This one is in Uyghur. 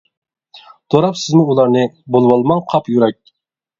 دوراپ سىزمۇ ئۇلارنى، بۇلىۋالماڭ قاپ يۈرەك.